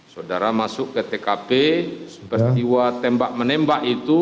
saudara masuk ke tkp peristiwa tembak menembak itu